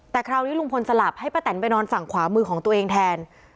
แต่คราวนี้ลุงพลสลับให้ป้าแตนไปนอนฝั่งขวามือของตัวเองแทน